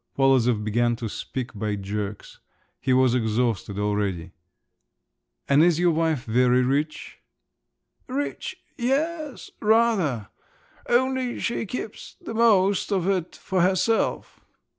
Polozov began to speak by jerks; he was exhausted already. "And is your wife very rich?" "Rich; yes, rather! Only she keeps the most of it for herself."